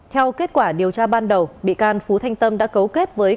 theo kết quả điều tra ban đầu bị can phú thanh tâm đã cấu kết với